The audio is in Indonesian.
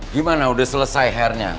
gimana udah selesai hairnya